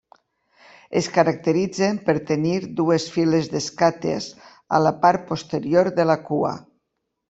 Es caracteritzen per tenir dues files d'escates a la part posterior de la cua.